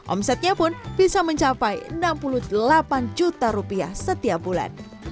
omsetnya pun bisa mencapai enam puluh delapan juta rupiah setiap bulan